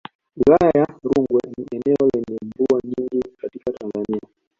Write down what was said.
Wilaya ya Rungwe ni eneo lenye mvua nyingi katika Tanzania